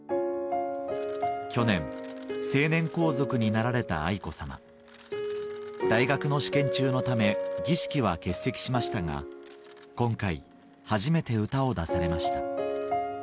去年成年皇族になられた大学の試験中のため儀式は欠席しましたが今回初めて歌を出されました